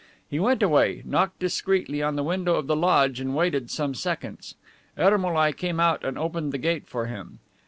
He went away, knocked discreetly on the window of the lodge and waited some seconds. Ermolai came out and opened the gate for him.